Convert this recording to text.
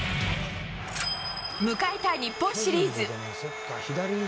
迎えた日本シリーズ。